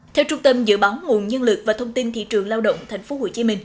theo trung tâm dự báo nguồn nhân lực và thông tin thị trường lao động tp hcm